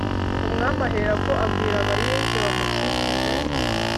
Umwami aherako abwira abarinzi bamukikije